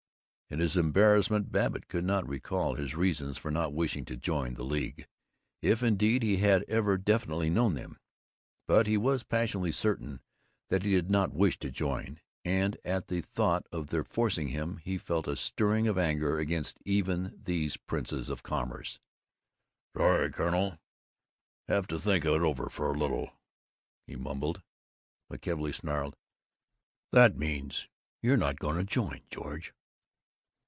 In his embarrassment Babbitt could not recall his reasons for not wishing to join the League, if indeed he had ever definitely known them, but he was passionately certain that he did not wish to join, and at the thought of their forcing him he felt a stirring of anger against even these princes of commerce. "Sorry, Colonel, have to think it over a little," he mumbled. McKelvey snarled, "That means you're not going to join, George?"